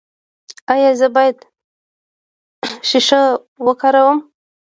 ایا زه باید شیشه وکاروم؟